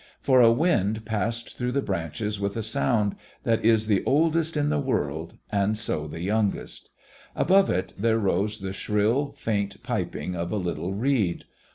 For a wind passed through the branches with a sound that is the oldest in the world and so the youngest. Above it there rose the shrill, faint piping of a little reed.